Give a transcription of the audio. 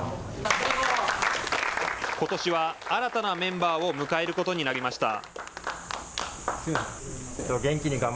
ことしは新たなメンバーを迎えることになりました。